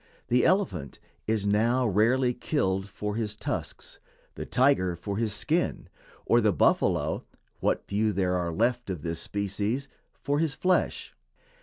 The elephant is now rarely killed for his tusks, the tiger for his skin, or the buffalo (what few there are left of this species) for his flesh.